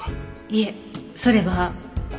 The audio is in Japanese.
いえそれは。